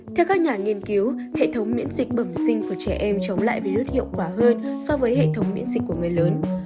theo các nhà nghiên cứu hệ thống miễn dịch bẩm sinh của trẻ em chống lại virus hiệu quả hơn so với hệ thống miễn dịch của người lớn